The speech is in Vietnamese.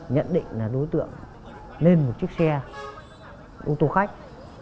nhận định là đối tượng lên một chiếc xe ô tô khách